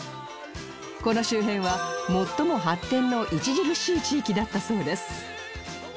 この周辺は最も発展の著しい地域だったそうです